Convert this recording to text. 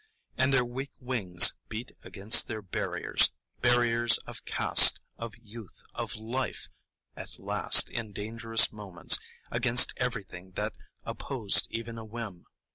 And their weak wings beat against their barriers,—barriers of caste, of youth, of life; at last, in dangerous moments, against everything that opposed even a whim.